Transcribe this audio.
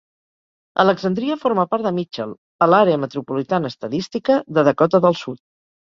Alexandria forma part de Mitchell, a l'àrea metropolitana estadística de Dakota del Sud.